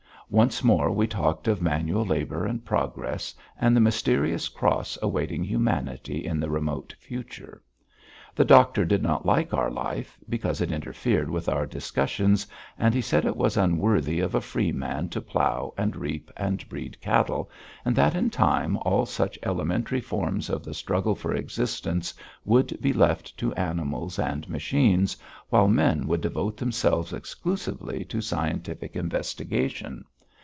Once more we talked of manual labour and progress, and the mysterious Cross awaiting humanity in the remote future. The doctor did not like our life, because it interfered with our discussions and he said it was unworthy of a free man to plough, and reap, and breed cattle, and that in time all such elementary forms of the struggle for existence would be left to animals and machines, while men would devote themselves exclusively to scientific investigation.